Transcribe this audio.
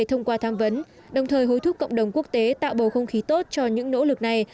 thông qua tham vấn đồng thời hối thúc cộng đồng quốc tế tạo bầu không khí tốt cho những nỗ lực này